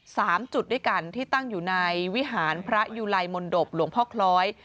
สามจุดด้วยกันที่ตั้งอยู่ในวิหารพระยุลัยมนตบหลวงพ่อคล้อย